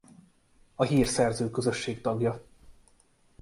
A Hírszerző Közösség tagja.